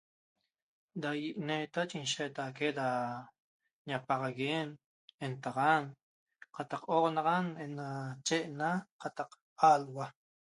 Da ineta inshetaque da ñapaxaguen ,entaxan, cataq oxanaxan ena chehena qataq aluaa'